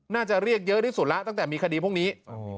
น่าจะเรียกเยอะที่สุดแล้วตั้งแต่มีคดีพวกนี้